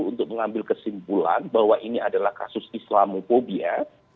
untuk mengambil kesimpulan bahwa ini adalah kasus islamofobia